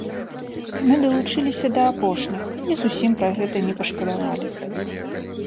Мы далучыліся да апошніх і зусім пра гэта не пашкадавалі.